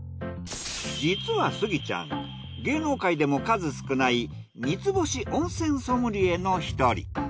実はスギちゃん芸能界でも数少ない３つ星温泉ソムリエの１人。